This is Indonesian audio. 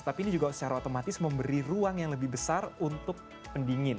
tapi ini juga secara otomatis memberi ruang yang lebih besar untuk pendingin